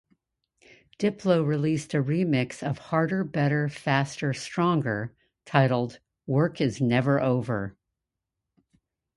Diplo released a remix of "Harder, Better, Faster, Stronger" titled "Work Is Never Over".